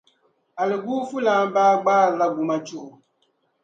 Aliguufulana baa gbaarila gumachuɣu.